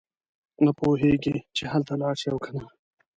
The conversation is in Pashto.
نه پوهېږي چې هلته لاړ شي او کنه.